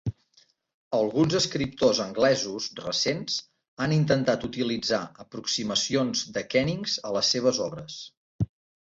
Alguns escriptors anglesos recents han intentat utilitzar aproximacions de kennings a les seves obres.